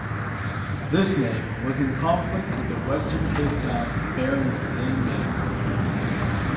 This name was in conflict with a Western Cape town bearing the same name.